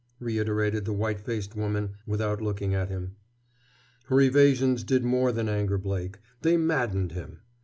reiterated the white faced woman, without looking at him. Her evasions did more than anger Blake; they maddened him.